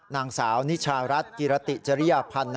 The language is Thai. นางสาวนิชารัฐกิรติจริยพันธ์